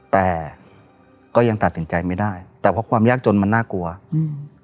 แต่ก็ยังตัดสินใจไม่ได้แต่เพราะความยากจนมันน่ากลัวอืม